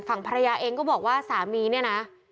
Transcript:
ฝั่งภรรยาเองก็บอกว่าสามีเนี่ยนะ